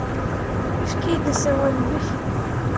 Efk-iyi-d asawal-nnek.